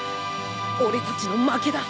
オレたちの負けだ。